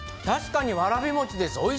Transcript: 確かに、わらびもちです。